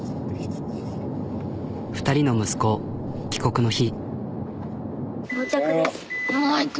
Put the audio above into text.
２人の息子帰国の日。